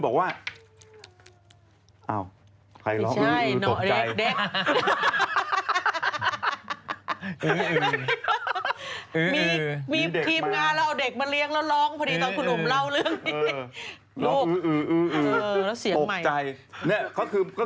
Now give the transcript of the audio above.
กลัวว่าผมจะต้องไปพูดให้ปากคำกับตำรวจยังไง